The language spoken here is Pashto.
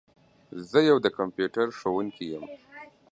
زه یو د کمپیوټر ښوونکي یم.